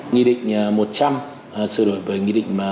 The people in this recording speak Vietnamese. nghị định một trăm linh xử đổi với nghị định một trăm hai mươi ba